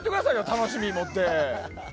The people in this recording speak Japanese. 楽しみ持って。